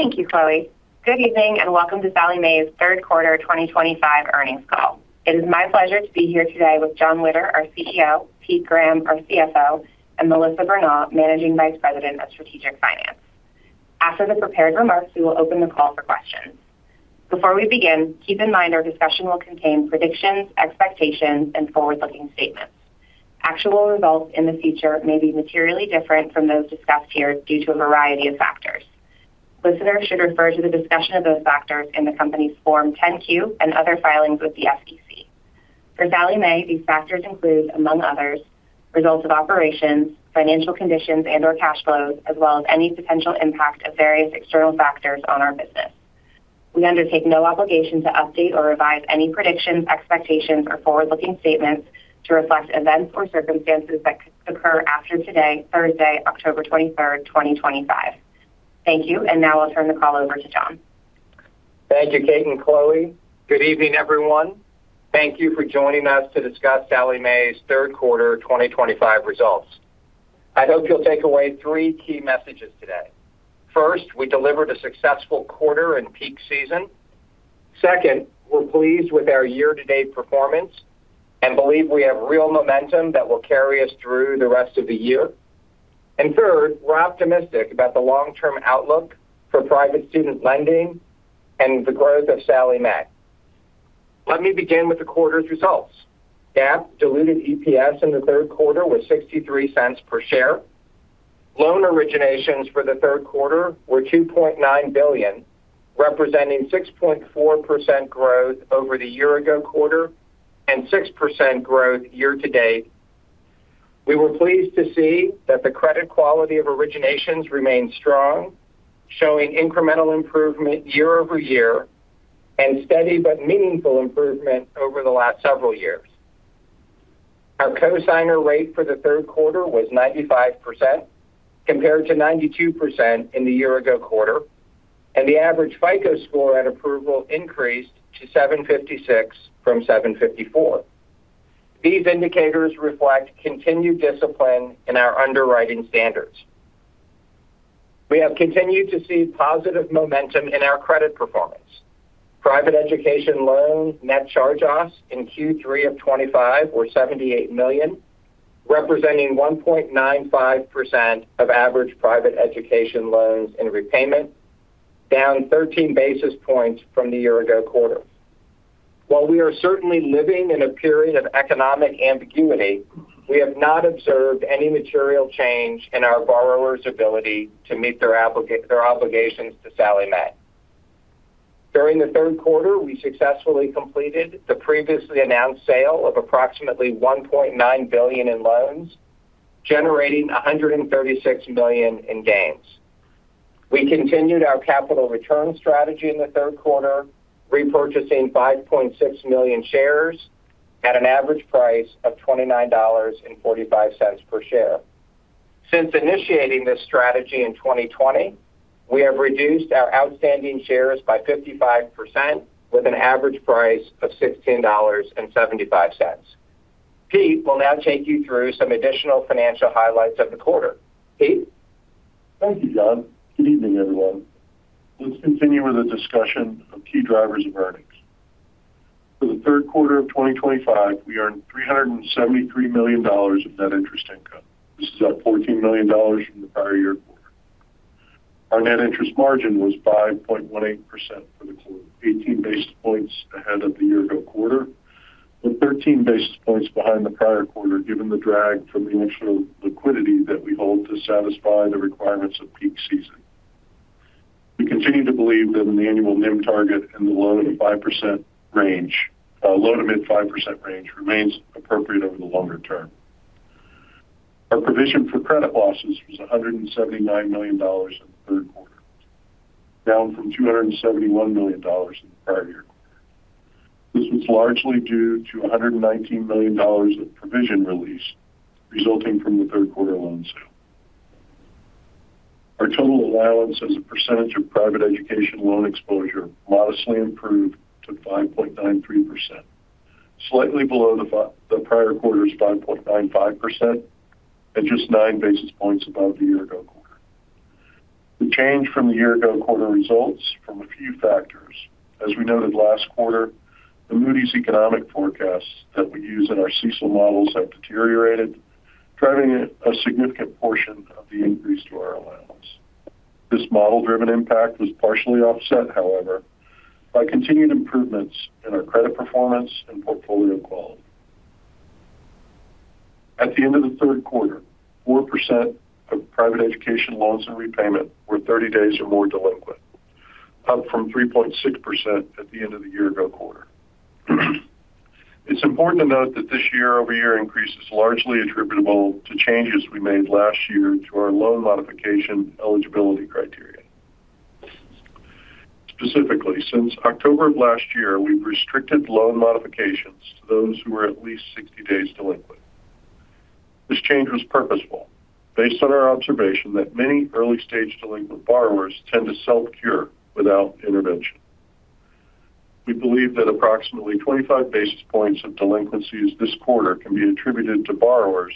Thank you, Chloe. Good evening and welcome to SLM's third quarter 2025 earnings call. It is my pleasure to be here today with Jon Witter, our CEO, Pete Graham, our CFO, and Melissa Bronaugh, Managing Vice President of Strategic Finance. After the prepared remarks, we will open the call for questions. Before we begin, keep in mind our discussion will contain predictions, expectations, and forward-looking statements. Actual results in the future may be materially different from those discussed here due to a variety of factors. Listeners should refer to the discussion of those factors in the company's Form 10-Q and other filings with the SEC. For SLM, these factors include, among others, results of operations, financial conditions, and/or cash flows, as well as any potential impact of various external factors on our business. We undertake no obligation to update or revise any predictions, expectations, or forward-looking statements to reflect events or circumstances that could occur after today, Thursday, October 23, 2025. Thank you, and now I'll turn the call over to Jon. Thank you, Kate and Chloe. Good evening, everyone. Thank you for joining us to discuss Sallie Mae's third quarter 2025 results. I hope you'll take away three key messages today. First, we delivered a successful quarter in peak season. Second, we're pleased with our year-to-date performance and believe we have real momentum that will carry us through the rest of the year. Third, we're optimistic about the long-term outlook for private student lending and the growth of Sallie Mae. Let me begin with the quarter's results. GAAP diluted EPS in the third quarter was $0.63 per share. Loan originations for the third quarter were $2.9 billion, representing 6.4% growth over the year-ago quarter and 6% growth year to date. We were pleased to see that the credit quality of originations remains strong, showing incremental improvement year over year and steady but meaningful improvement over the last several years. Our cosigner rate for the third quarter was 95% compared to 92% in the year-ago quarter, and the average FICO score at approval increased to 756 from 754. These indicators reflect continued discipline in our underwriting standards. We have continued to see positive momentum in our credit performance. Private education loan net charge-offs in Q3 2025 were $78 million, representing 1.95% of average private education loans in repayment, down 13 basis points from the year-ago quarter. While we are certainly living in a period of economic ambiguity, we have not observed any material change in our borrowers' ability to meet their obligations to Sallie Mae. During the third quarter, we successfully completed the previously announced sale of approximately $1.9 billion in loans, generating $136 million in gains. We continued our capital return strategy in the third quarter, repurchasing 5.6 million shares at an average price of $29.45 per share. Since initiating this strategy in 2020, we have reduced our outstanding shares by 55% with an average price of $16.75. Pete will now take you through some additional financial highlights of the quarter. Pete? Thank you, Jon. Good evening, everyone. Let's continue with the discussion of key drivers of earnings. For the third quarter of 2025, we earned $373 million of net interest income. This is up $14 million from the prior year quarter. Our net interest margin was 5.18% for the quarter, 18 basis points ahead of the year-ago quarter, but 13 basis points behind the prior quarter given the drag from the actual liquidity that we hold to satisfy the requirements of peak season. We continue to believe that the annual NIM target in the low to mid 5% range remains appropriate over the longer term. Our provision for credit losses was $179 million in the third quarter, down from $271 million in the prior year quarter. This was largely due to $119 million of provision release resulting from the third quarter loan sale. Our total allowance as a percentage of private education loan exposure modestly improved to 5.93%, slightly below the prior quarter's 5.95% and just nine basis points above the year-ago quarter. The change from the year-ago quarter results from a few factors. As we noted last quarter, the Moody's economic forecasts that we use in our CECL models have deteriorated, driving a significant portion of the increase to our allowance. This model-driven impact was partially offset, however, by continued improvements in our credit performance and portfolio quality. At the end of the third quarter, 4% of private education loans in repayment were 30 days or more delinquent, up from 3.6% at the end of the year-ago quarter. It's important to note that this year-over-year increase is largely attributable to changes we made last year to our loan modification eligibility criteria. Specifically, since October of last year, we've restricted loan modifications to those who were at least 60 days delinquent. This change was purposeful based on our observation that many early-stage delinquent borrowers tend to self-cure without intervention. We believe that approximately 25 basis points of delinquencies this quarter can be attributed to borrowers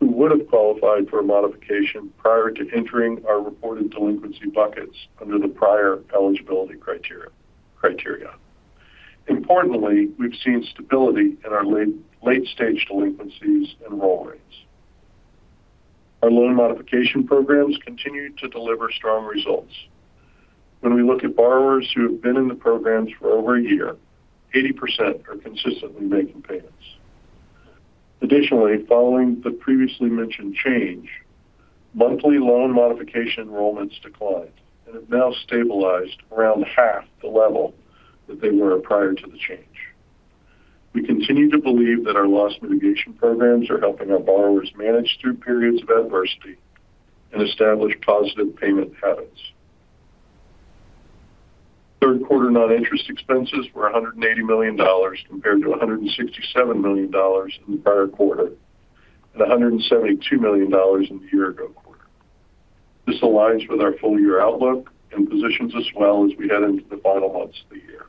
who would have qualified for a modification prior to entering our reported delinquency buckets under the prior eligibility criteria. Importantly, we've seen stability in our late-stage delinquencies and roll rates. Our loan modification programs continue to deliver strong results. When we look at borrowers who have been in the programs for over a year, 80% are consistently making payments. Additionally, following the previously mentioned change, monthly loan modification enrollments declined and have now stabilized around half the level that they were prior to the change. We continue to believe that our loss mitigation programs are helping our borrowers manage through periods of adversity and establish positive payment habits. Third quarter non-interest expenses were $180 million compared to $167 million in the prior quarter and $172 million in the year-ago quarter. This aligns with our full-year outlook and positions us well as we head into the final months of the year.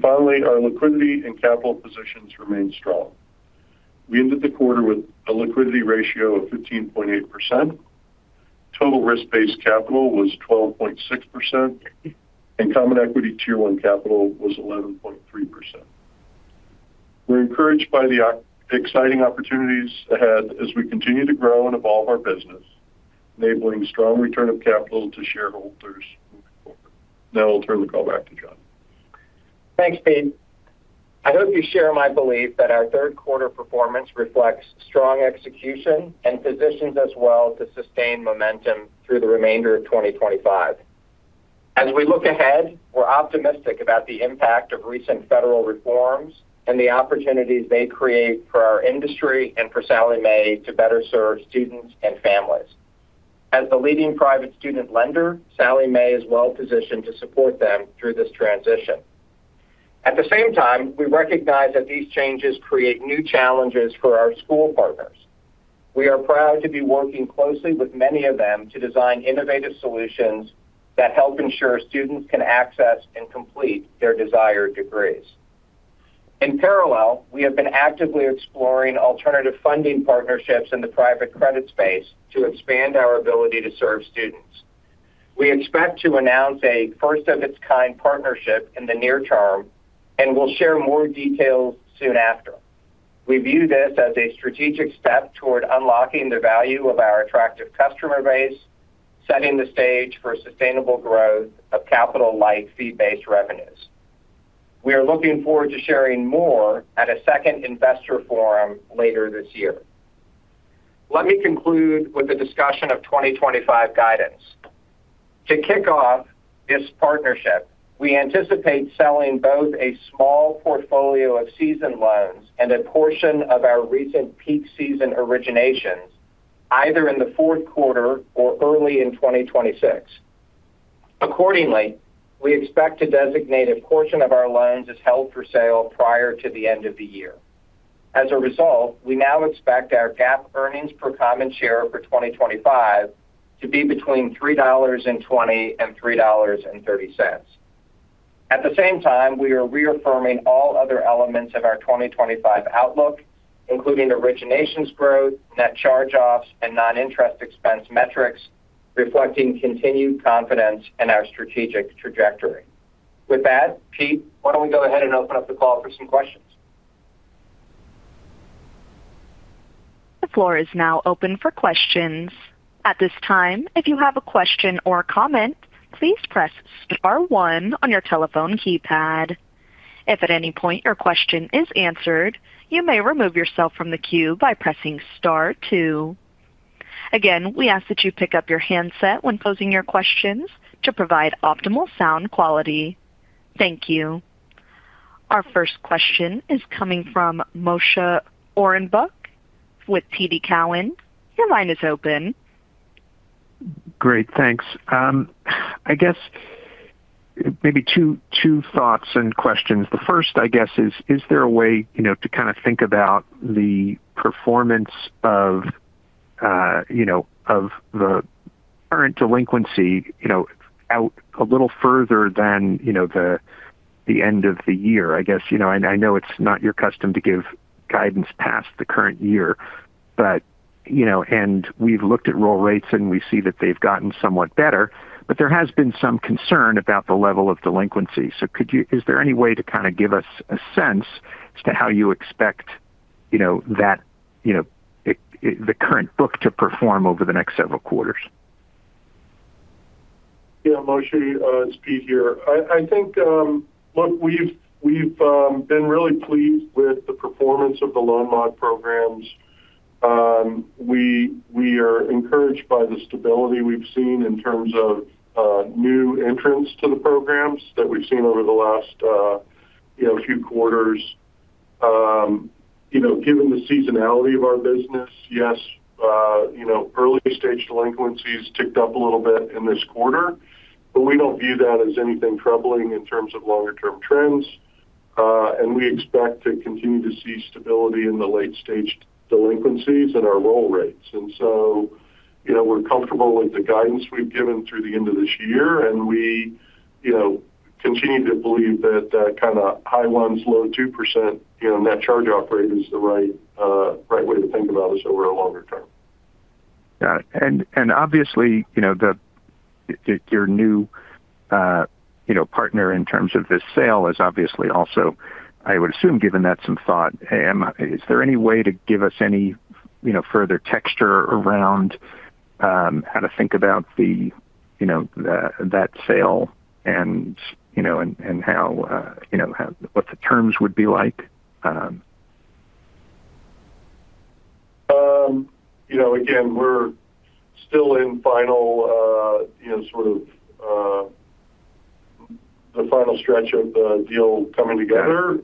Finally, our liquidity and capital positions remain strong. We ended the quarter with a liquidity ratio of 15.8%. Total risk-based capital was 12.6%, and CET1 capital was 11.3%. We're encouraged by the exciting opportunities ahead as we continue to grow and evolve our business, enabling strong return of capital to shareholders moving forward. Now I'll turn the call back to Jon. Thanks, Pete. I hope you share my belief that our third quarter performance reflects strong execution and positions us well to sustain momentum through the remainder of 2025. As we look ahead, we're optimistic about the impact of recent federal reforms and the opportunities they create for our industry and for Sallie Mae to better serve students and families. As the leading private student lender, Sallie Mae is well-positioned to support them through this transition. At the same time, we recognize that these changes create new challenges for our school partners. We are proud to be working closely with many of them to design innovative solutions that help ensure students can access and complete their desired degrees. In parallel, we have been actively exploring alternative funding partnerships in the private credit space to expand our ability to serve students. We expect to announce a first-of-its-kind partnership in the near term and will share more details soon after. We view this as a strategic step toward unlocking the value of our attractive customer base, setting the stage for sustainable growth of capital-like fee-based revenues. We are looking forward to sharing more at a second investor forum later this year. Let me conclude with a discussion of 2025 guidance. To kick off this partnership, we anticipate selling both a small portfolio of seasoned loans and a portion of our recent peak season originations, either in the fourth quarter or early in 2026. Accordingly, we expect to designate a portion of our loans as held for sale prior to the end of the year. As a result, we now expect our GAAP earnings per common share for 2025 to be between $3.20-$3.30. At the same time, we are reaffirming all other elements of our 2025 outlook, including originations growth, net charge-offs, and non-interest expense metrics, reflecting continued confidence in our strategic trajectory. With that, Pete, why don't we go ahead and open up the call for some questions? The floor is now open for questions. At this time, if you have a question or a comment, please press star one on your telephone keypad. If at any point your question is answered, you may remove yourself from the queue by pressing star two. Again, we ask that you pick up your handset when posing your questions to provide optimal sound quality. Thank you. Our first question is coming from Moshe Orenbuch with TD Cowen. Your line is open. Great, thanks. I guess maybe two thoughts and questions. The first, I guess, is, is there a way to kind of think about the performance of the current delinquency out a little further than the end of the year? I know it's not your custom to give guidance past the current year, but we've looked at roll rates and we see that they've gotten somewhat better, but there has been some concern about the level of delinquency. Could you, is there any way to kind of give us a sense as to how you expect the current book to perform over the next several quarters? Yeah, Moshe, it's Pete here. I think we've been really pleased with the performance of the loan mod programs. We are encouraged by the stability we've seen in terms of new entrants to the programs that we've seen over the last few quarters. Given the seasonality of our business, yes, early-stage delinquencies ticked up a little bit in this quarter, but we don't view that as anything troubling in terms of longer-term trends. We expect to continue to see stability in the late-stage delinquencies and our roll rates. We're comfortable with the guidance we've given through the end of this year, and we continue to believe that that kind of high 1%, low 2% net charge-off rate is the right way to think about us over a longer term. Got it. Obviously, your new partner in terms of this sale is also, I would assume, given that some thought. Is there any way to give us any further texture around how to think about that sale and how, you know, what the terms would be like? We're still in the final stretch of the deal coming together.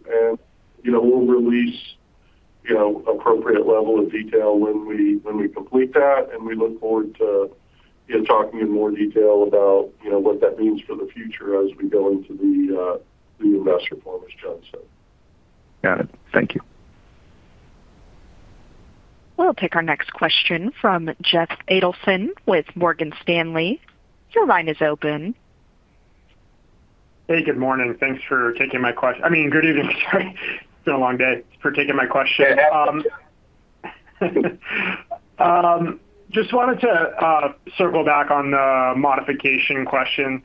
We'll release the appropriate level of detail when we complete that. We look forward to talking in more detail about what that means for the future as we go into the investor forum as Jon Witter said. Got it. Thank you. We'll take our next question from Jeff Adelson with Morgan Stanley. Your line is open. Hey, good morning. Thanks for taking my question. I mean, good evening. Sorry. It's been a long day. Thanks for taking my question. I just wanted to circle back on the modification question.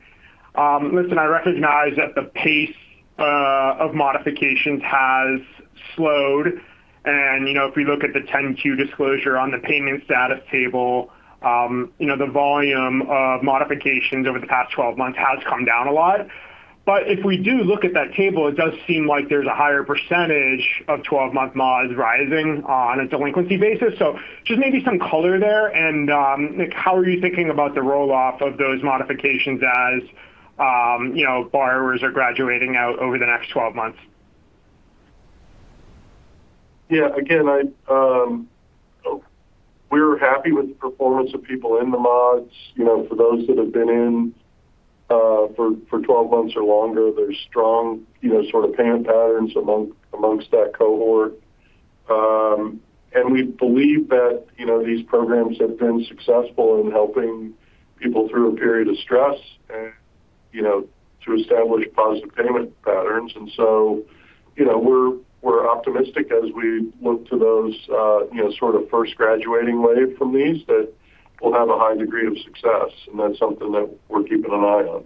Listen, I recognize that the pace of modifications has slowed. If we look at the 10-Q disclosure on the payment status table, the volume of modifications over the past 12 months has come down a lot. If we do look at that table, it does seem like there's a higher percentage of 12-month mods rising on a delinquency basis. Maybe some color there. Nick, how are you thinking about the rolloff of those modifications as borrowers are graduating out over the next 12 months? Yeah, we're happy with the performance of people in the mods. For those that have been in for 12 months or longer, there's strong, you know, sort of payment patterns amongst that cohort. We believe that these programs have been successful in helping people through a period of stress and to establish positive payment patterns. We're optimistic as we look to those sort of first graduating wave from these that will have a high degree of success. That's something that we're keeping an eye on.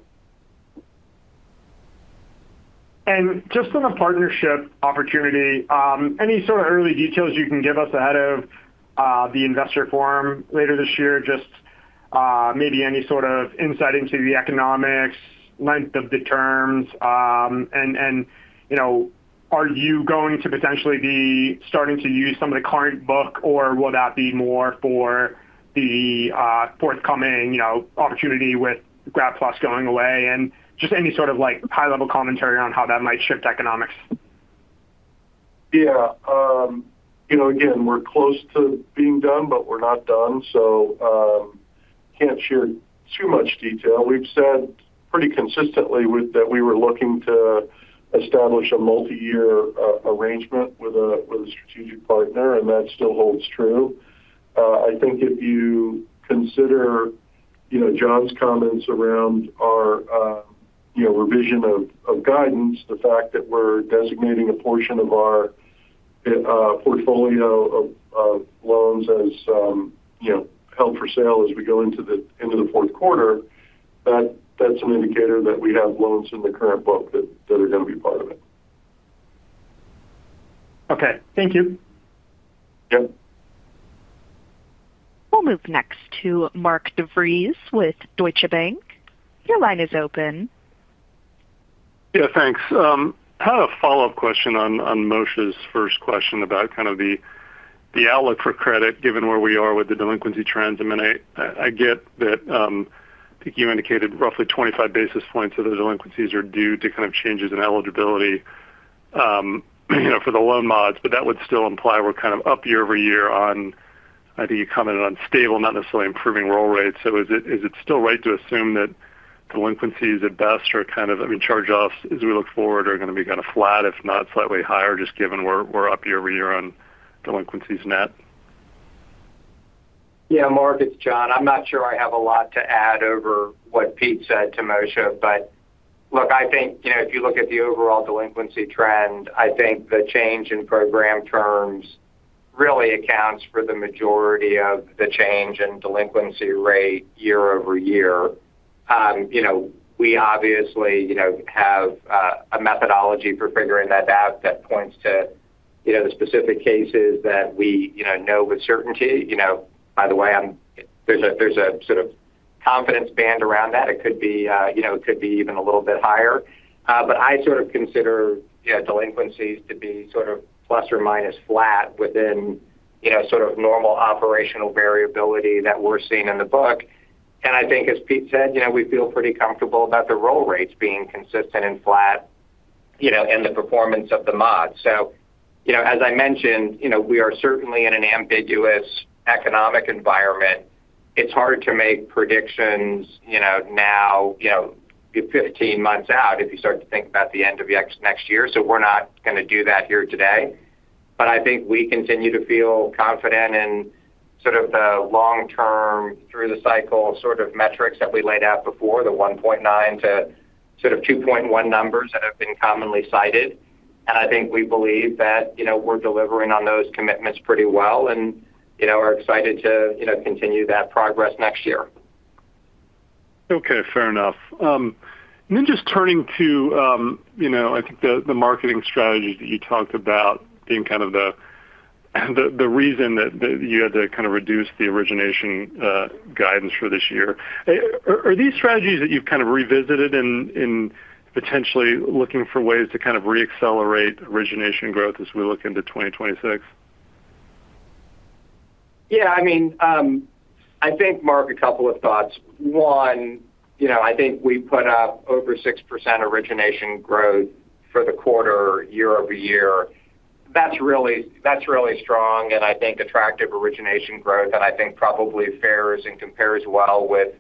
On a partnership opportunity, any sort of early details you can give us ahead of the investor forum later this year? Maybe any sort of insight into the economics, length of the terms, and are you going to potentially be starting to use some of the current book, or will that be more for the forthcoming opportunity with PLUS Reform going away? Any sort of high-level commentary on how that might shift economics? Yeah. Again, we're close to being done, but we're not done. I can't share too much detail. We've said pretty consistently that we were looking to establish a multi-year arrangement with a strategic partner, and that still holds true. I think if you consider, you know, Jon's comments around our revision of guidance, the fact that we're designating a portion of our portfolio of loans as held for sale as we go into the fourth quarter, that's an indicator that we have loans in the current book that are going to be part of it. Okay. Thank you. Yep. We'll move next to Mark DeVries with Deutsche Bank. Your line is open. Yeah, thanks. I had a follow-up question on Moshe's first question about the outlook for credit given where we are with the delinquency trends. I get that, I think you indicated roughly 25 basis points of the delinquencies are due to changes in eligibility for the loan mods, but that would still imply we're up year over year on, I think you commented on stable, not necessarily improving roll rates. Is it still right to assume that delinquencies at best are, I mean, charge-offs as we look forward are going to be flat, if not slightly higher, just given we're up year over year on delinquencies net? Yeah, Mark, it's Jon. I'm not sure I have a lot to add over what Pete said to Moshe, but look, I think if you look at the overall delinquency trend, I think the change in program terms really accounts for the majority of the change in delinquency rate year-over-year. We obviously have a methodology for figuring that out that points to the specific cases that we know with certainty. By the way, there's a sort of confidence band around that. It could be even a little bit higher. I sort of consider delinquencies to be plus or minus flat within normal operational variability that we're seeing in the book. I think, as Pete said, we feel pretty comfortable about the roll rates being consistent and flat, and the performance of the mods. As I mentioned, we are certainly in an ambiguous economic environment. It's hard to make predictions now, you're 15 months out if you start to think about the end of the next year. We're not going to do that here today. I think we continue to feel confident in the long-term through-the-cycle metrics that we laid out before, the 1.9%-2.1% numbers that have been commonly cited. I think we believe that we're delivering on those commitments pretty well and are excited to continue that progress next year. Okay, fair enough. Just turning to, you know, I think the marketing strategy that you talked about being kind of the reason that you had to reduce the origination guidance for this year. Are these strategies that you've revisited in potentially looking for ways to re-accelerate origination growth as we look into 2026? Yeah, I mean, I think, Mark, a couple of thoughts. One, I think we put up over 6% origination growth for the quarter year over year. That's really strong. I think attractive origination growth, and I think probably fares and compares well with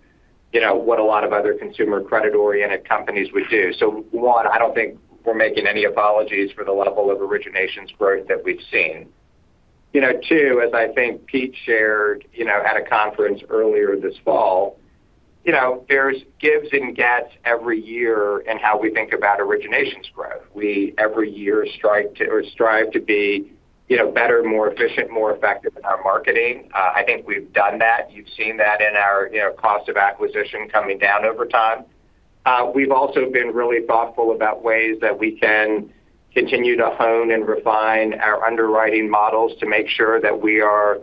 what a lot of other consumer credit-oriented companies would do. One, I don't think we're making any apologies for the level of originations growth that we've seen. Two, as I think Pete shared at a conference earlier this fall, there are gives and gets every year in how we think about originations growth. We every year strive to be better, more efficient, more effective in our marketing. I think we've done that. You've seen that in our cost of acquisition coming down over time. We've also been really thoughtful about ways that we can continue to hone and refine our underwriting models to make sure that we are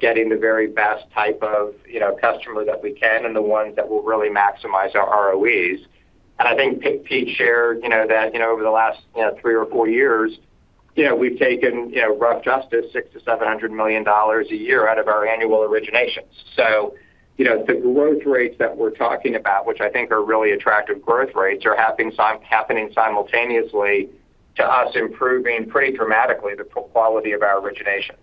getting the very best type of customer that we can and the ones that will really maximize our ROEs. I think Pete shared that over the last three or four years, we've taken roughly $600 million-$700 million a year out of our annual originations. The growth rates that we're talking about, which I think are really attractive growth rates, are happening simultaneously to us improving pretty dramatically the quality of our originations.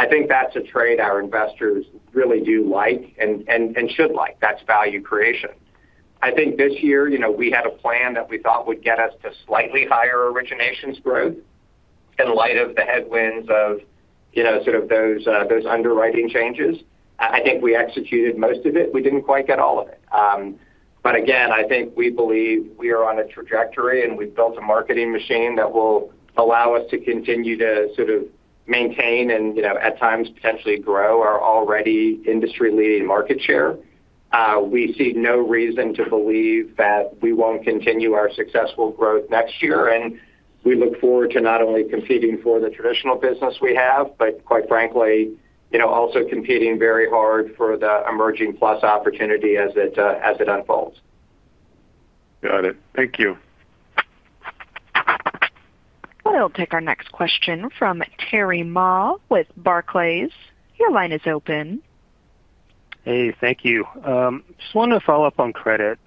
I think that's a trade our investors really do like and should like. That's value creation. I think this year we had a plan that we thought would get us to slightly higher originations growth in light of the headwinds of those underwriting changes. I think we executed most of it. We didn't quite get all of it. Again, I think we believe we are on a trajectory and we've built a marketing machine that will allow us to continue to sort of maintain and at times potentially grow our already industry-leading market share. We see no reason to believe that we won't continue our successful growth next year. We look forward to not only competing for the traditional business we have, but quite frankly, also competing very hard for the emerging PLUS Reform opportunity as it unfolds. Got it. Thank you. We'll take our next question from Terry Ma with Barclays. Your line is open. Hey, thank you. I just want to follow up on credit.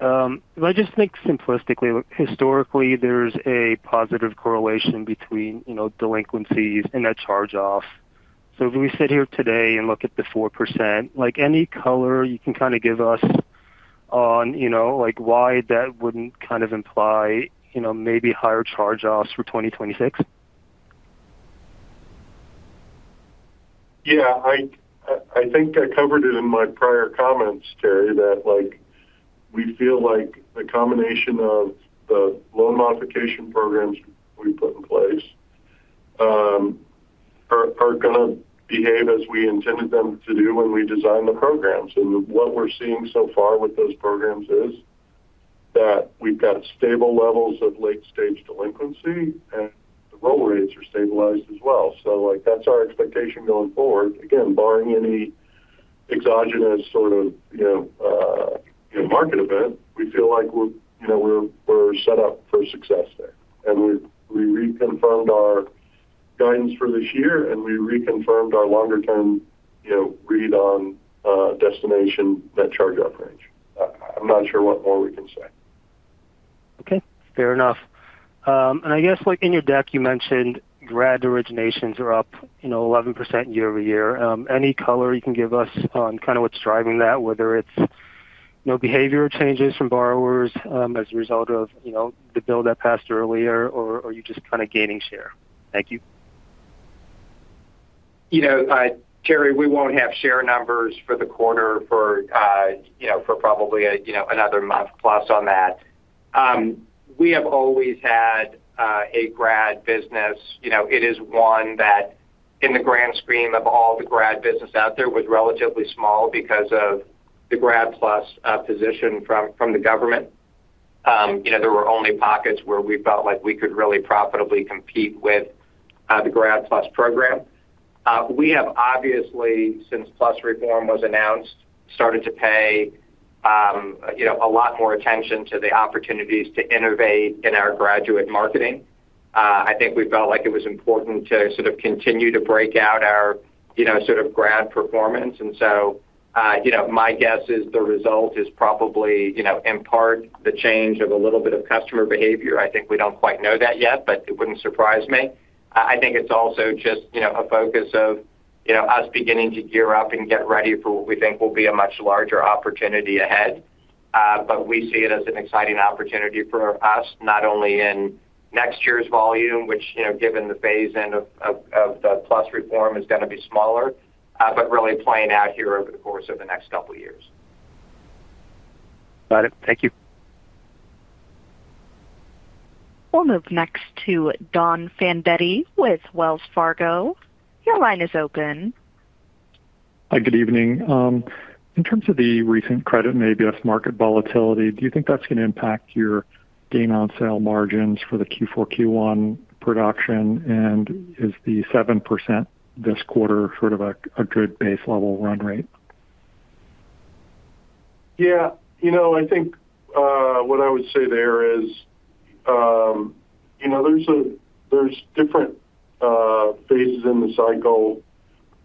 I just think simplistically, historically, there's a positive correlation between, you know, delinquencies and net charge-off. If we sit here today and look at the 4%, any color you can kind of give us on, you know, like why that wouldn't kind of imply, you know, maybe higher charge-offs for 2026? Yeah, I think I covered it in my prior comments, Terry, that we feel like the combination of the loan modification programs we put in place are going to behave as we intended them to do when we designed the programs. What we're seeing so far with those programs is that we've got stable levels of late-stage delinquency, and the roll rates are stabilized as well. That's our expectation going forward. Again, barring any exogenous sort of market event, we feel like we're set up for success there. We reconfirmed our guidance for this year, and we reconfirmed our longer-term read-on destination net charge-off range. I'm not sure what more we can say. Okay, fair enough. I guess like in your deck, you mentioned grad originations are up 11% year-over-year. Any color you can give us on kind of what's driving that, whether it's behavioral changes from borrowers as a result of the bill that passed earlier, or are you just kind of gaining share? Thank you. You know, Terry, we won't have share numbers for the quarter for probably another month plus on that. We have always had a grad business. It is one that in the grand scheme of all the grad business out there was relatively small because of the Grad Plus position from the government. There were only pockets where we felt like we could really profitably compete with the Grad Plus program. We have obviously, since PLUS Reform was announced, started to pay a lot more attention to the opportunities to innovate in our graduate marketing. I think we felt like it was important to sort of continue to break out our grad performance. My guess is the result is probably, in part, the change of a little bit of customer behavior. I think we don't quite know that yet, but it wouldn't surprise me. I think it's also just a focus of us beginning to gear up and get ready for what we think will be a much larger opportunity ahead. We see it as an exciting opportunity for us, not only in next year's volume, which, given the phase-in of the PLUS Reform, is going to be smaller, but really playing out here over the course of the next couple of years. Got it. Thank you. We'll move next to Don Fandetti with Wells Fargo. Your line is open. Hi, good evening. In terms of the recent credit and ABS market volatility, do you think that's going to impact your gain on sale margins for the Q4-Q1 production? Is the 7% this quarter sort of a good base-level run rate? Yeah, I think what I would say there is there's different phases in the cycle.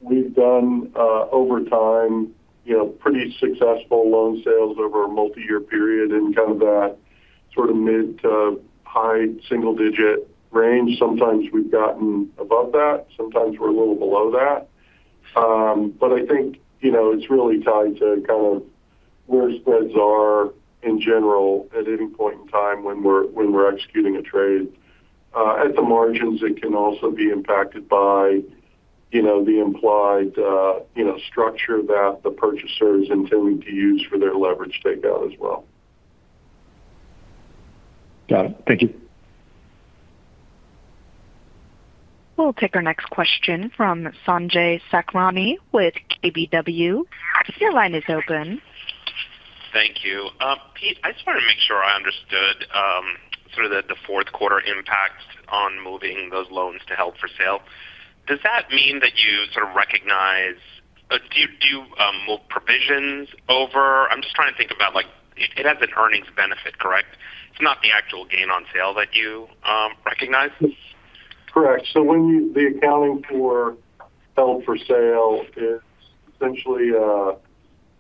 We've done, over time, pretty successful loan sales over a multi-year period in that sort of mid to high single-digit range. Sometimes we've gotten above that, sometimes we're a little below that. I think it's really tied to where spreads are in general at any point in time when we're executing a trade. At the margins, it can also be impacted by the implied structure that the purchaser is intending to use for their leverage takeout as well. Got it. Thank you. We'll take our next question from Sanjay Sakhrani with KBW. Your line is open. Thank you. Pete, I just wanted to make sure I understood the fourth quarter impact on moving those loans to held for sale. Does that mean that you recognize, do you move provisions over? I'm just trying to think about, like, it has an earnings benefit, correct? It's not the actual gain on sale that you recognize? Correct. When you do the accounting for held for sale, it is essentially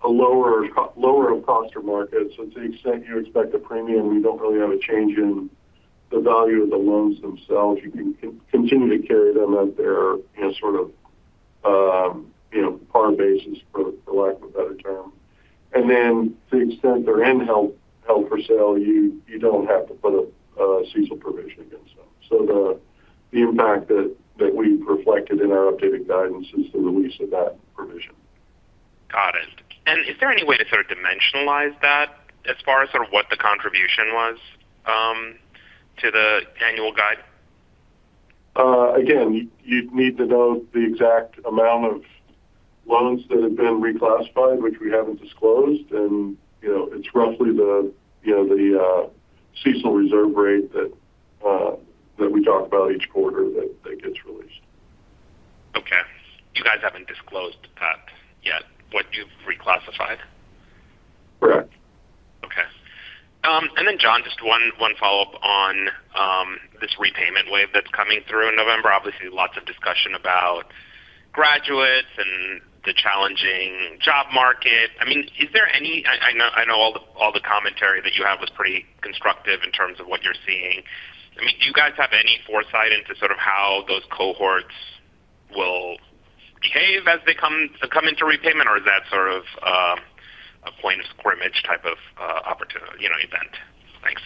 a lower of cost or market. To the extent you expect a premium, you don't really have a change in the value of the loans themselves. You can continue to carry them at their, you know, sort of, you know, par basis for lack of a better term. To the extent they're held for sale, you don't have to put a CECL provision against them. The impact that we've reflected in our updated guidance is the release of that provision. Is there any way to sort of dimensionalize that as far as what the contribution was to the annual guide? You'd need to know the exact amount of loans that have been reclassified, which we haven't disclosed. It's roughly the CECL reserve rate that we talk about each quarter that gets released. Okay. You guys haven't disclosed that yet, what you've reclassified? Correct. Okay. Jon, just one follow-up on this repayment wave that's coming through in November. Obviously, lots of discussion about graduates and the challenging job market. Is there any, I know all the commentary that you have was pretty constructive in terms of what you're seeing. Do you guys have any foresight into how those cohorts will behave as they come into repayment, or is that a point of squirmage type of opportunity, you know, event? Thanks.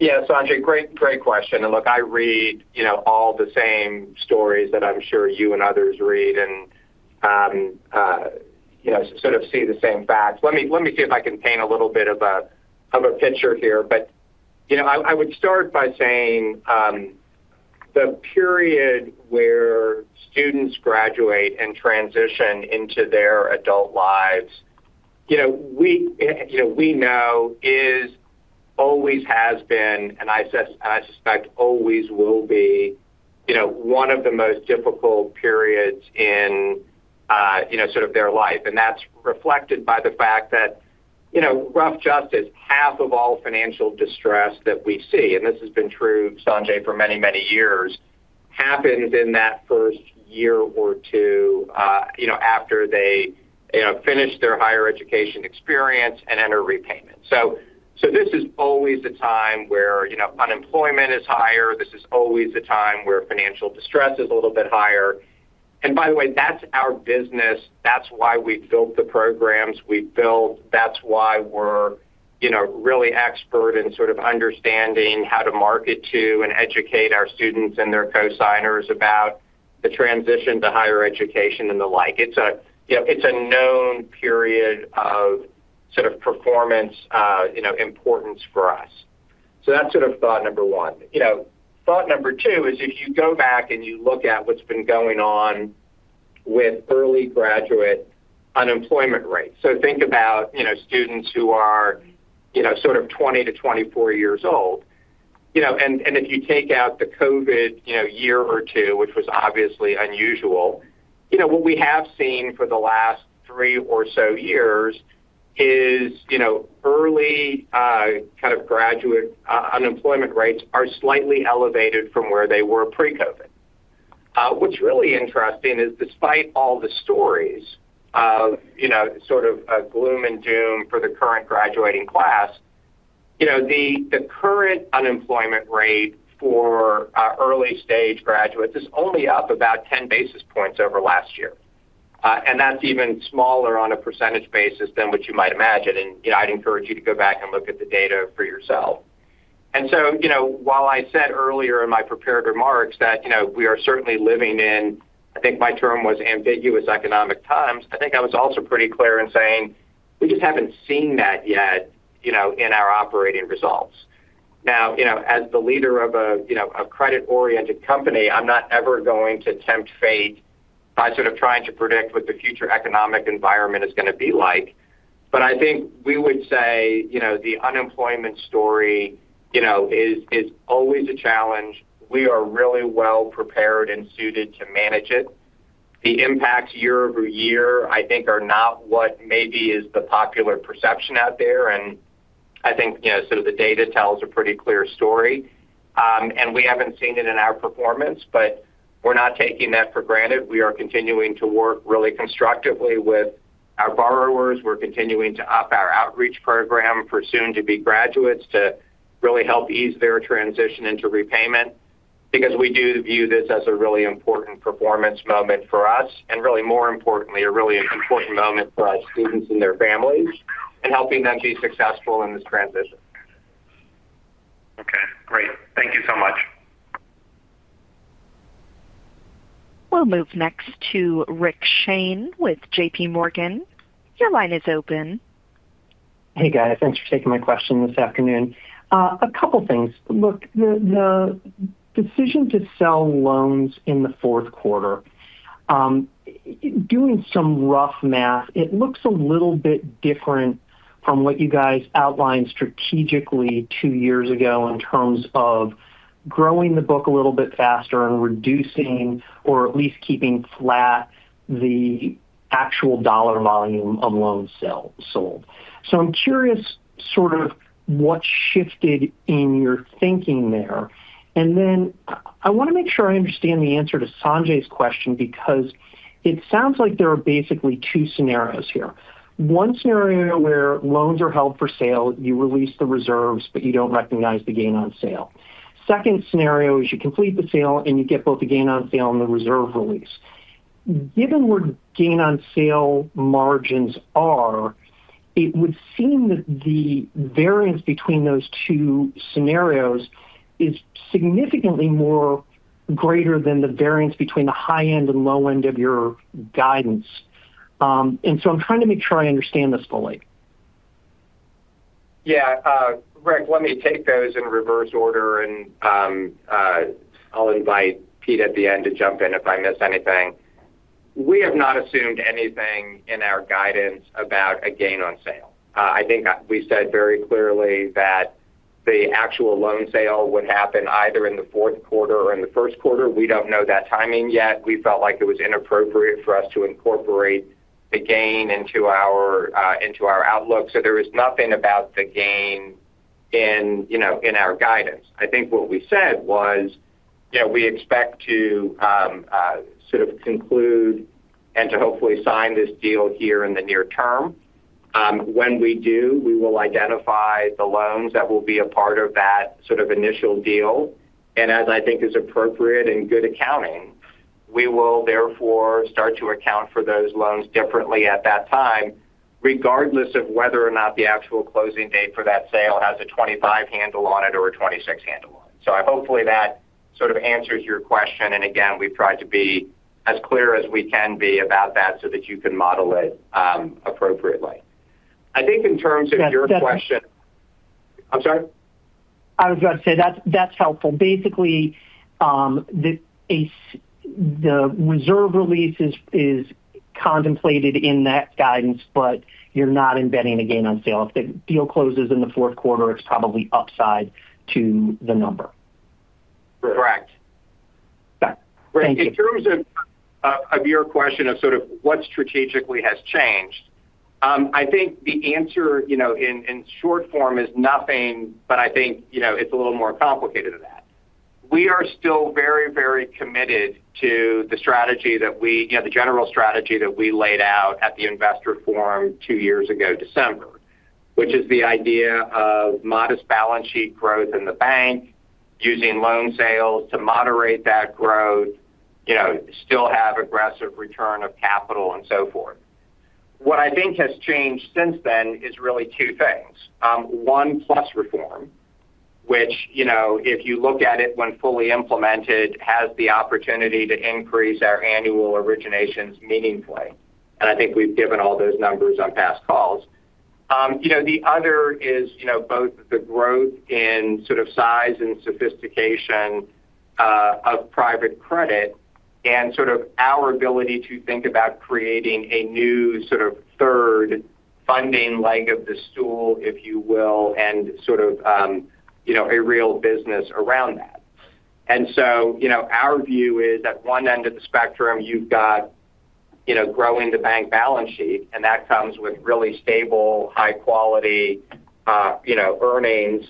Yeah, Sanjay, great question. Look, I read all the same stories that I'm sure you and others read and see the same facts. Let me see if I can paint a little bit of a picture here. I would start by saying the period where students graduate and transition into their adult lives, we know is, always has been, and I suspect always will be one of the most difficult periods in their life. That's reflected by the fact that, rough justice, half of all financial distress that we see, and this has been true, Sanjay, for many years, happens in that first year or two after they finish their higher education experience and enter repayment. This is always a time where unemployment is higher. This is always a time where financial distress is a little bit higher. By the way, that's our business. That's why we built the programs we built. That's why we're really expert in understanding how to market to and educate our students and their cosigners about the transition to higher education and the like. It's a known period of performance importance for us. That's thought number one. Thought number two is if you go back and look at what's been going on with early graduate unemployment rates, think about students who are 20-24 years old. If you take out the COVID year or two, which was obviously unusual, what we have seen for the last three or so years is early graduate unemployment rates are slightly elevated from where they were pre-COVID. What's really interesting is despite all the stories of gloom and doom for the current graduating class, the current unemployment rate for early-stage graduates is only up about 10 basis points over last year, and that's even smaller on a percentage basis than what you might imagine. I'd encourage you to go back and look at the data for yourself. While I said earlier in my prepared remarks that we are certainly living in, I think my term was ambiguous economic times, I think I was also pretty clear in saying we just haven't seen that yet in our operating results. Now, as the leader of a credit-oriented company, I'm not ever going to tempt fate by trying to predict what the future economic environment is going to be like. I think we would say the unemployment story is always a challenge. We are really well prepared and suited to manage it. The impacts year over year, I think, are not what maybe is the popular perception out there. I think the data tells a pretty clear story, and we haven't seen it in our performance, but we're not taking that for granted. We are continuing to work really constructively with our borrowers. We're continuing to up our outreach program for soon-to-be graduates to really help ease their transition into repayment because we do view this as a really important performance moment for us and, more importantly, a really important moment for our students and their families and helping them be successful in this transition. Okay, great. Thank you so much. We'll move next to Rick Shane with JPMorgan. Your line is open. Hey, guys. Thanks for taking my question this afternoon. A couple of things. Look, the decision to sell loans in the fourth quarter, doing some rough math, it looks a little bit different from what you guys outlined strategically two years ago in terms of growing the book a little bit faster and reducing or at least keeping flat the actual dollar volume of loans sold. I'm curious what shifted in your thinking there. I want to make sure I understand the answer to Sanjay's question because it sounds like there are basically two scenarios here. One scenario where loans are held for sale, you release the reserves, but you don't recognize the gain on sale. The second scenario is you complete the sale and you get both the gain on sale and the reserve release. Given where gain on sale margins are, it would seem that the variance between those two scenarios is significantly greater than the variance between the high-end and low-end of your guidance. I'm trying to make sure I understand this fully. Yeah. Rick, let me take those in reverse order, and I'll invite Pete at the end to jump in if I miss anything. We have not assumed anything in our guidance about a gain on sale. I think we said very clearly that the actual loan sale would happen either in the fourth quarter or in the first quarter. We don't know that timing yet. We felt like it was inappropriate for us to incorporate the gain into our outlook. There was nothing about the gain in our guidance. I think what we said was we expect to sort of conclude and to hopefully sign this deal here in the near term. When we do, we will identify the loans that will be a part of that initial deal. As I think is appropriate and good accounting, we will therefore start to account for those loans differently at that time, regardless of whether or not the actual closing date for that sale has a 25 handle on it or a 26 handle on it. I hope that sort of answers your question. We've tried to be as clear as we can be about that so that you can model it appropriately. I think in terms of your question, I'm sorry? That's helpful. Basically, the reserve release is contemplated in that guidance, but you're not embedding the gain on sale. If the deal closes in the fourth quarter, it's probably upside to the number. Correct. Got it. Thank you. Rick, in terms of your question of what strategically has changed, I think the answer, in short form, is nothing, but I think it's a little more complicated than that. We are still very, very committed to the strategy that we, the general strategy that we laid out at the investor forum two years ago in December, which is the idea of modest balance sheet growth in the bank, using loan sales to moderate that growth, still have aggressive return of capital and so forth. What I think has changed since then is really two things. One, PLUS Reform, which, if you look at it when fully implemented, has the opportunity to increase our annual originations meaningfully. I think we've given all those numbers on past calls. The other is both the growth in size and sophistication of private credit and our ability to think about creating a new third funding leg of the stool, if you will, and a real business around that. Our view is at one end of the spectrum, you've got growing the bank balance sheet, and that comes with really stable, high-quality earnings,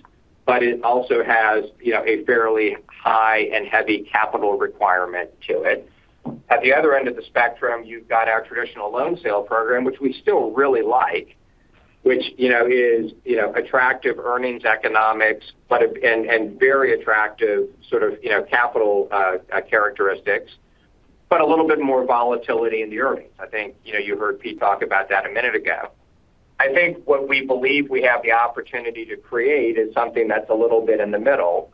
but it also has a fairly high and heavy capital requirement to it. At the other end of the spectrum, you've got our traditional loan sale program, which we still really like, which is attractive earnings economics and very attractive capital characteristics, but a little bit more volatility in the earnings. I think you heard Pete talk about that a minute ago. What we believe we have the opportunity to create is something that's a little bit in the middle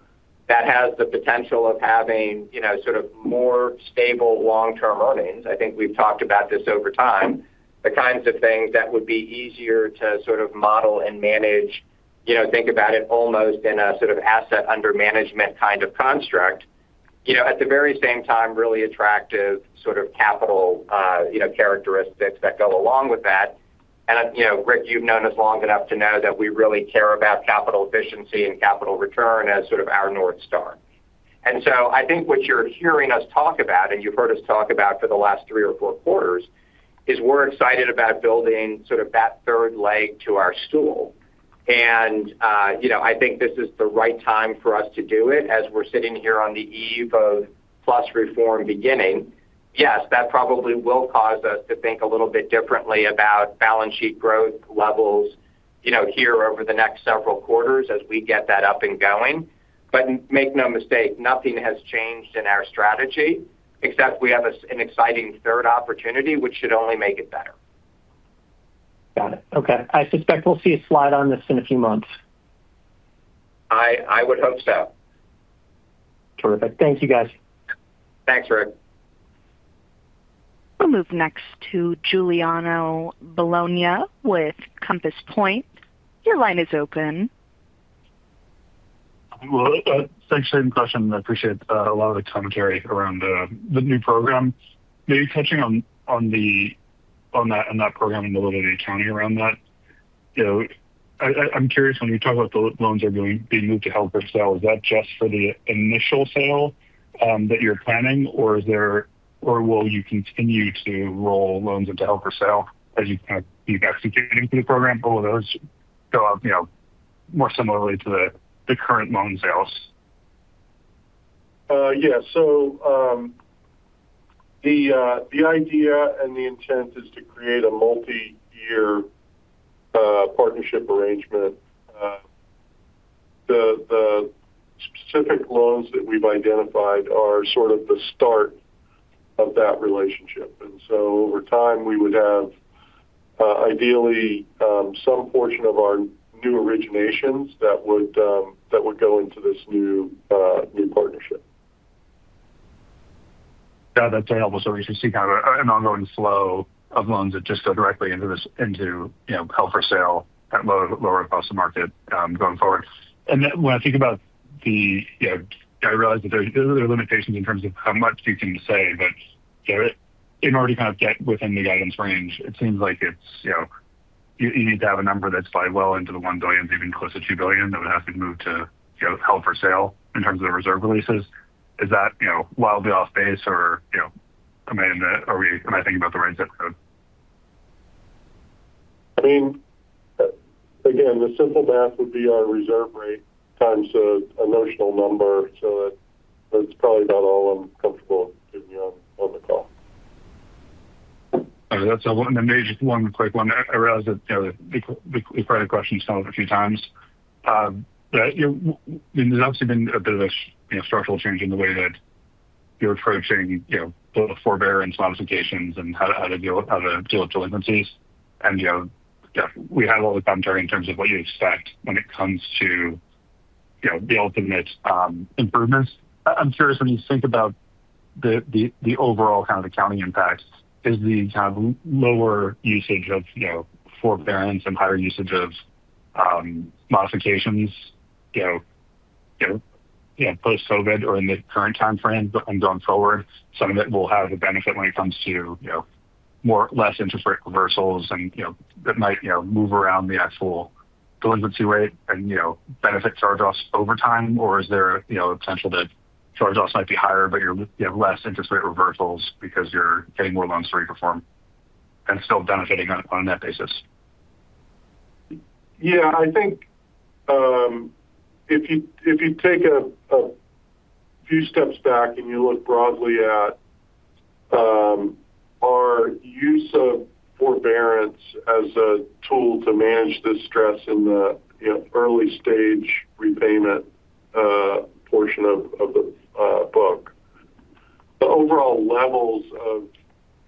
that has the potential of having more stable long-term earnings. I think we've talked about this over time, the kinds of things that would be easier to model and manage, think about it almost in a sort of asset under management kind of construct. At the very same time, really attractive capital characteristics that go along with that. Rick, you've known us long enough to know that we really care about capital efficiency and capital return as our North Star. I think what you're hearing us talk about, and you've heard us talk about for the last three or four quarters, is we're excited about building sort of that third leg to our stool. I think this is the right time for us to do it as we're sitting here on the eve of PLUS Reform beginning. Yes, that probably will cause us to think a little bit differently about balance sheet growth levels over the next several quarters as we get that up and going. Make no mistake, nothing has changed in our strategy except we have an exciting third opportunity, which should only make it better. Got it. Okay, I suspect we'll see a slide on this in a few months. I would hope so. Terrific. Thank you, guys. Thanks, Rick. We'll move next to Giuliano Bologna with Compass Point. Your line is open. Thank you for the question. I appreciate a lot of the commentary around the new program. Maybe touching on that program and a little bit of the accounting around that. You know, I'm curious when you talk about the loans are going to be moved to held for sale, is that just for the initial sale that you're planning, or will you continue to roll loans into held for sale as you've executed for the program, or will those go up more similarly to the current loan sales? Yeah. The idea and the intent is to create a multi-year partnership arrangement. The specific loans that we've identified are sort of the start of that relationship. Over time, we would have, ideally, some portion of our new originations that would go into this new partnership. Yeah, that's very helpful. We should see kind of an ongoing flow of loans that just go directly into this, into, you know, held for sale at lower cost of market going forward. When I think about the, you know, I realize that there are limitations in terms of how much you can say, but, you know, in order to kind of get within the guidance range, it seems like it's, you know, you need to have a number that's by well into the $1 billion, even close to $2 billion that would have to move to, you know, held for sale in terms of the reserve releases. Is that, you know, wildly off base or, you know, am I in the, are we, am I thinking about the right zip code? I mean, again, the simple math would be our reserve rate times a notional number. That's probably about all I'm comfortable giving you on the call. All right. Maybe just one quick one. I realize that the credit question has come up a few times. There's obviously been a bit of a structural change in the way that you're approaching both forbearance modifications and how to deal with delinquencies. We have all the commentary in terms of what you expect when it comes to the ultimate improvements. I'm curious when you think about the overall kind of accounting impact, is the kind of lower usage of forbearance and higher usage of modifications post-COVID or in the current timeframe and going forward, something that will have a benefit when it comes to less interest rate reversals and that might move around the actual delinquency rate and benefit charge-offs over time, or is there a potential that charge-offs might be higher, but you have less interest rate reversals because you're getting more loans to reperform and still benefiting on a net basis? Yeah, I think if you take a few steps back and you look broadly at our use of forbearance as a tool to manage the stress in the early-stage repayment portion of the book, the overall levels of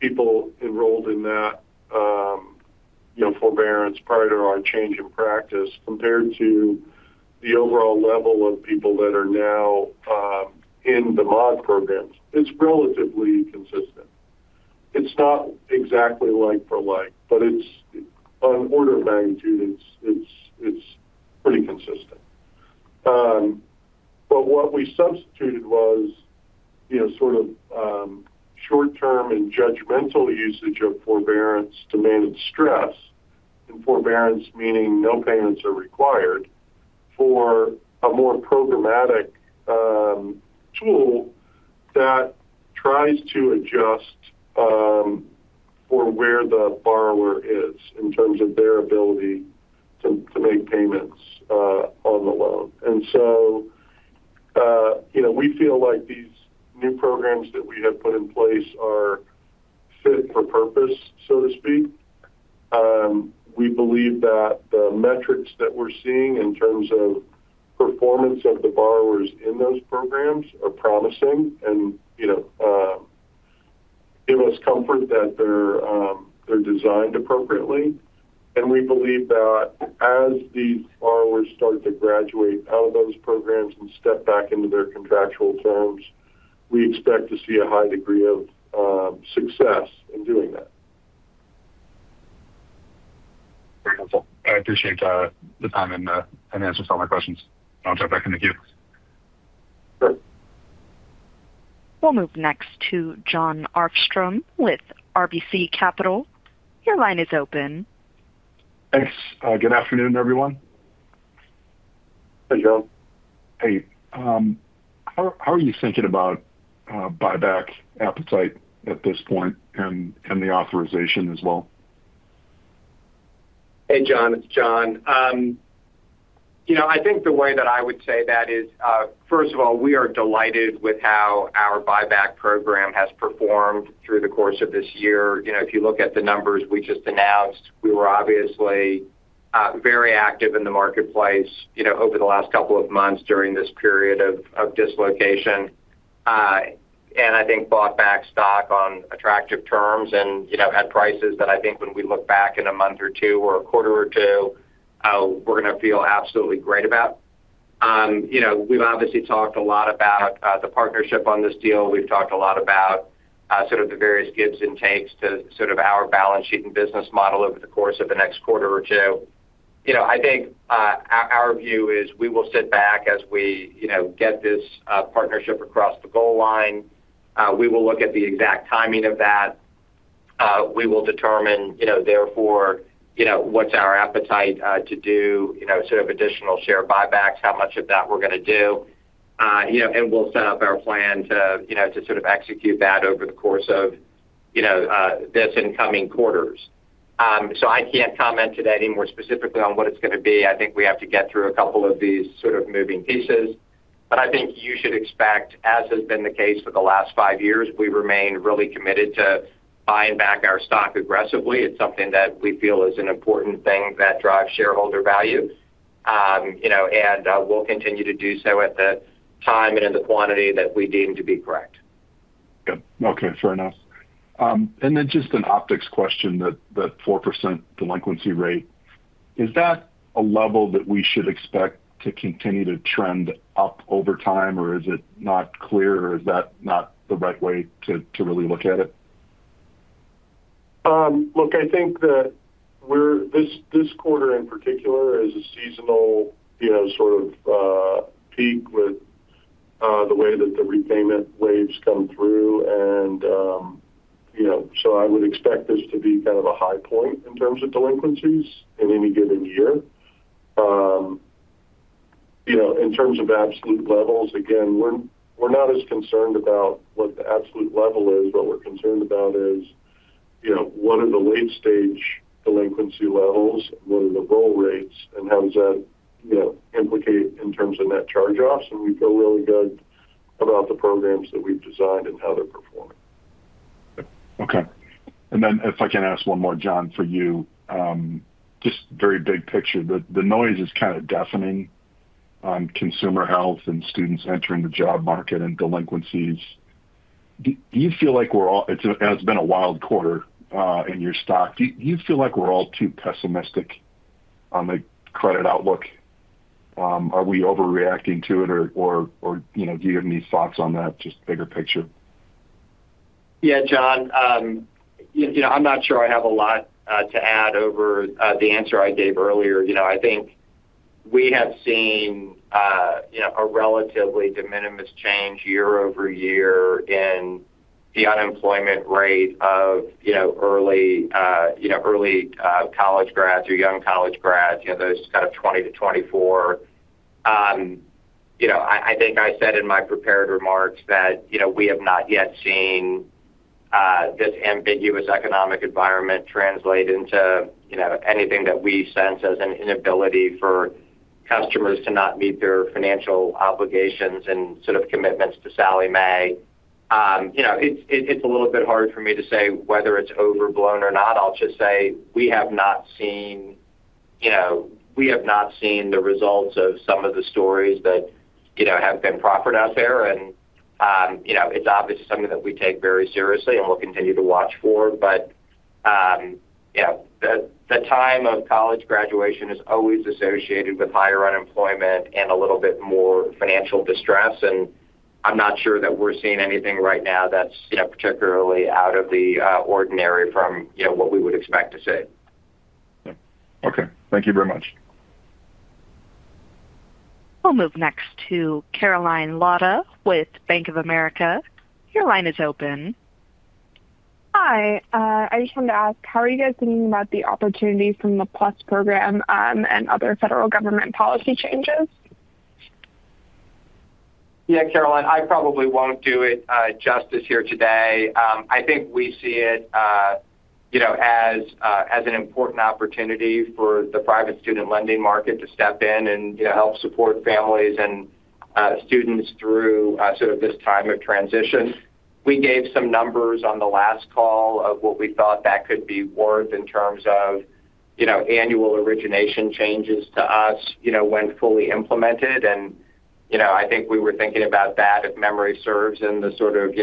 people enrolled in that forbearance prior to our change in practice compared to the overall level of people that are now in the mod programs, it's relatively consistent. It's not exactly like for like, but it's on order of magnitude, it's pretty consistent. What we substituted was short-term and judgmental usage of forbearance to manage stress, and forbearance meaning no payments are required, for a more programmatic tool that tries to adjust for where the borrower is in terms of their ability to make payments on the loan. We feel like these new programs that we have put in place are fit for purpose, so to speak. We believe that the metrics that we're seeing in terms of performance of the borrowers in those programs are promising and give us comfort that they're designed appropriately. We believe that as these borrowers start to graduate out of those programs and step back into their contractual terms, we expect to see a high degree of success in doing that. I appreciate the time and the answers to all my questions. I'll jump back in the queue. Great. We'll move next to John Arfstrom with RBC Capital. Your line is open. Thanks. Good afternoon, everyone. Hey, John. Hey, how are you thinking about buyback appetite at this point and the authorization as well? Hey, Jon. It's Jon. I think the way that I would say that is, first of all, we are delighted with how our buyback program has performed through the course of this year. If you look at the numbers we just announced, we were obviously very active in the marketplace over the last couple of months during this period of dislocation. I think bought back stock on attractive terms and had prices that I think when we look back in a month or two or a quarter or two, we're going to feel absolutely great about. We've obviously talked a lot about the partnership on this deal. We've talked a lot about the various gives and takes to our balance sheet and business model over the course of the next quarter or two. I think our view is we will sit back as we get this partnership across the goal line. We will look at the exact timing of that. We will determine what's our appetite to do additional share buybacks, how much of that we're going to do, and we'll set up our plan to execute that over the course of these incoming quarters. I can't comment today any more specifically on what it's going to be. I think we have to get through a couple of these moving pieces. I think you should expect, as has been the case for the last five years, we remain really committed to buying back our stock aggressively. It's something that we feel is an important thing that drives shareholder value, and we'll continue to do so at the time and in the quantity that we deem to be correct. Yeah. Okay. Fair enough. Then just an optics question, that 4% delinquency rate, is that a level that we should expect to continue to trend up over time, or is it not clear, or is that not the right way to really look at it? I think that this quarter in particular is a seasonal, you know, sort of peak with the way that the repayment waves come through. I would expect this to be kind of a high point in terms of delinquencies in any given year. In terms of absolute levels, again, we're not as concerned about what the absolute level is. What we're concerned about is, you know, what are the late-stage delinquency levels? What are the roll rates? How does that, you know, implicate in terms of net charge-offs? We feel really good about the programs that we've designed and how they're performing. Okay. If I can ask one more, Jon, for you, just very big picture, the noise is kind of deafening on consumer health and students entering the job market and delinquencies. Do you feel like we're all, it's been a wild quarter in your stock. Do you feel like we're all too pessimistic on the credit outlook? Are we overreacting to it, or do you have any thoughts on that, just bigger picture? Yeah, Jon. I'm not sure I have a lot to add over the answer I gave earlier. I think we have seen a relatively de minimis change year over year in the unemployment rate of early college grads or young college grads, those kind of 20-24. I think I said in my prepared remarks that we have not yet seen this ambiguous economic environment translate into anything that we sense as an inability for customers to not meet their financial obligations and sort of commitments to Sallie Mae. It's a little bit hard for me to say whether it's overblown or not. I'll just say we have not seen the results of some of the stories that have been proffered out there. It's obviously something that we take very seriously and we'll continue to watch for. The time of college graduation is always associated with higher unemployment and a little bit more financial distress. I'm not sure that we're seeing anything right now that's particularly out of the ordinary from what we would expect to see. Okay, thank you very much. We'll move next to [Caroline Lauda] with Bank of America. Your line is open. Hi, I just wanted to ask, how are you guys thinking about the opportunities from the PLUS Reform and other federal government policy changes? Yeah, Caroline, I probably won't do it justice here today. I think we see it as an important opportunity for the private student lending market to step in and help support families and students through this time of transition. We gave some numbers on the last call of what we thought that could be worth in terms of annual origination changes to us when fully implemented. I think we were thinking about that, if memory serves, in the $4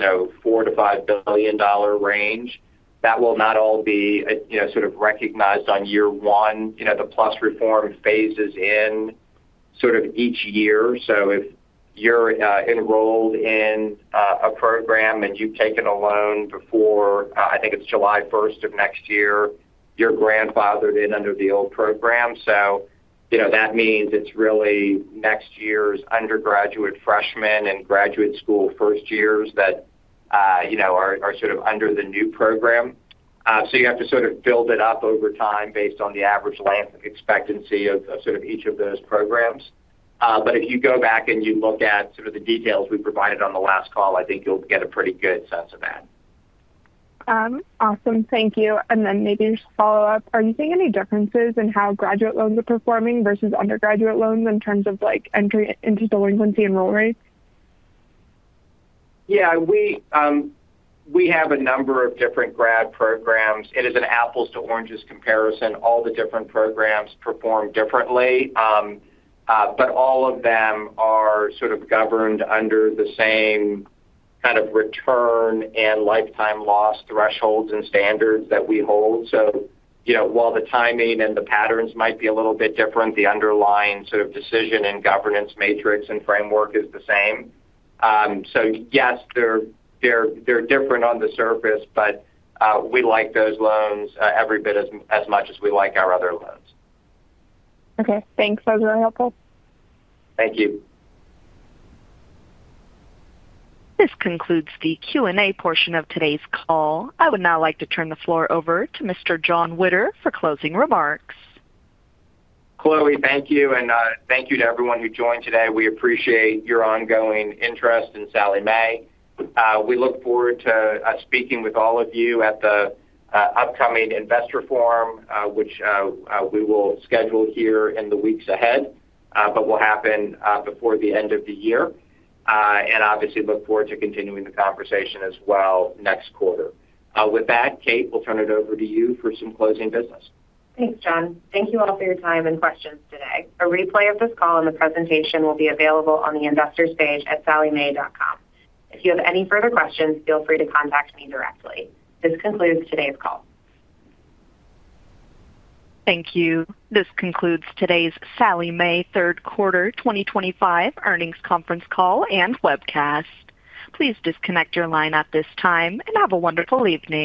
billion-$5 billion range. That will not all be recognized in year one. The PLUS Reform phases in each year. If you're enrolled in a program and you've taken a loan before, I think it's July 1st of next year, you're grandfathered in under the old program. That means it's really next year's undergraduate freshmen and graduate school first years that are under the new program. You have to build it up over time based on the average life expectancy of each of those programs. If you go back and you look at the details we provided on the last call, I think you'll get a pretty good sense of that. Thank you. Maybe just a follow-up. Are you seeing any differences in how graduate loans are performing versus undergraduate loans in terms of entry into delinquency and roll rate? Yeah, we have a number of different grad programs. It is an apples-to-oranges comparison. All the different programs perform differently, but all of them are sort of governed under the same kind of return and lifetime loss thresholds and standards that we hold. While the timing and the patterns might be a little bit different, the underlying sort of decision and governance matrix and framework is the same. Yes, they're different on the surface, but we like those loans every bit as much as we like our other loans. Okay, thanks. That was really helpful. Thank you. This concludes the Q&A portion of today's call. I would now like to turn the floor over to Mr. Jon Witter for closing remarks. Chloe, thank you. Thank you to everyone who joined today. We appreciate your ongoing interest in SLM. We look forward to speaking with all of you at the upcoming investor forum, which we will schedule here in the weeks ahead, but will happen before the end of the year. We obviously look forward to continuing the conversation as well next quarter. With that, Kate, we'll turn it over to you for some closing business. Thanks, Jon. Thank you all for your time and questions today. A replay of this call and the presentation will be available on the investors page at salliemae.com. If you have any further questions, feel free to contact me directly. This concludes today's call. Thank you. This concludes today's Sallie Mae third quarter 2025 earnings conference call and webcast. Please disconnect your line at this time and have a wonderful evening.